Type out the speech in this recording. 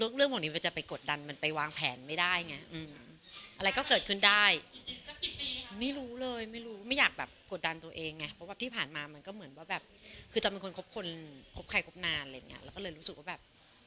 ครบไข่ครบนานเราก็เลยรู้สึกว่าแบบ